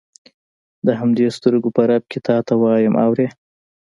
د همدې سترګو په رپ کې تا ته وایم اورې.